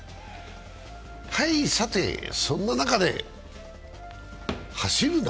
さて、そんな中で走るな！